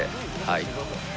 はい。